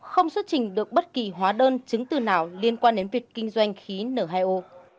không xuất trình được bất kỳ hóa đơn chứng từ nào liên quan đến việc kinh doanh khí n hai o